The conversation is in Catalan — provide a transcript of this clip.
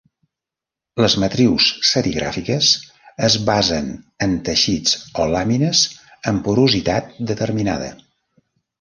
Les matrius serigràfiques es basen en teixits o làmines amb porositat determinada.